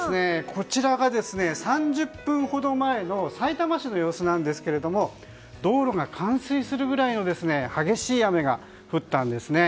こちらが、３０分ほど前のさいたま市の様子なんですが道路が冠水するぐらいの激しい雨が降ったんですね。